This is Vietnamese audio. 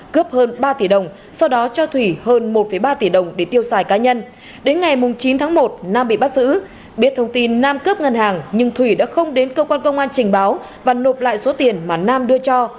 cướp hơn ba tỷ đồng sau đó cho thủy hơn một ba tỷ đồng để tiêu xài cá nhân đến ngày chín tháng một nam bị bắt giữ biết thông tin nam cướp ngân hàng nhưng thủy đã không đến cơ quan công an trình báo và nộp lại số tiền mà nam đưa cho